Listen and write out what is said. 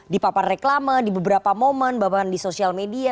di papan reklama di beberapa momen bahkan di sosial media